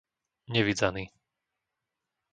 Nevidzany